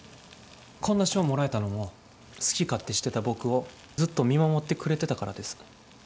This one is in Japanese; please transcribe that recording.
こんな賞もらえたのも好き勝手してた僕をずっと見守ってくれてたからです。